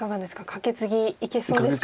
カケツギいけそうですか？